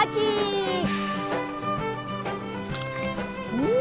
うん！